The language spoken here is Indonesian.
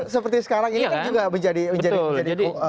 seperti sekarang ini kan juga menjadi komoditi politik